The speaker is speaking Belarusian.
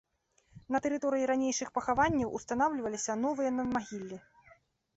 На тэрыторыі ранейшых пахаванняў устанаўліваліся новыя надмагіллі.